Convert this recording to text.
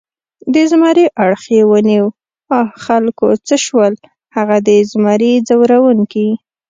د زمري اړخ یې ونیو، آ خلکو څه شول هغه د زمري ځوروونکي؟